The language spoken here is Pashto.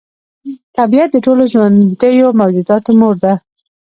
طبیعت د ټولو ژوندیو موجوداتو مور ده.